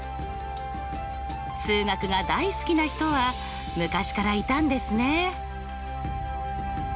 数学が大好きな人は昔からいたんですね。